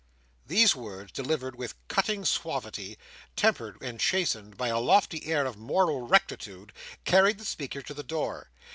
These words, delivered with cutting suavity, tempered and chastened by a lofty air of moral rectitude, carried the speaker to the door.